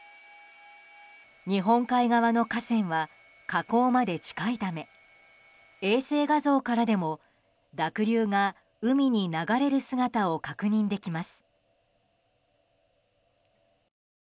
日本海側の河川は河口まで近いため衛星画像からでも、濁流が海に流れる姿を確認できます。